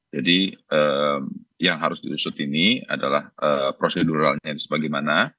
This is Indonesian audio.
jadi yang harus diusut ini adalah proseduralnya sebagaimana